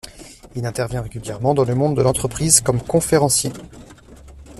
Il intervient régulièrement dans le monde de l'entreprise comme conférencier.